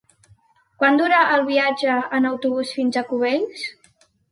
Quant dura el viatge en autobús fins a Cubells?